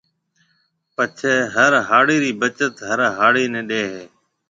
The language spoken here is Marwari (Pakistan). پڇيَ هر هاڙِي رِي بچت هر هاڙِي نَي ڏي هيَ۔